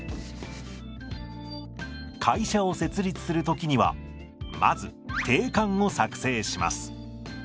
会社を設立する時にはまず定款を作成します。